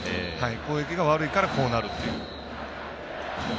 攻撃が悪いからこうなるっていう。